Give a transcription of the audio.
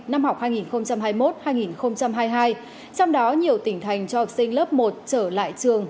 năm học hai nghìn hai mươi một hai nghìn hai mươi hai trong đó nhiều tỉnh thành cho học sinh lớp một trở lại trường